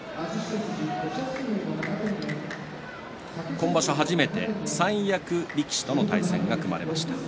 今場所初めて三役力士との対戦が組まれました。